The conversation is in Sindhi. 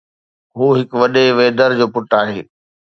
هو هڪ وڏي ويدير جو پٽ هو.